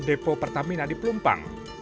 depo pertamina di plumpang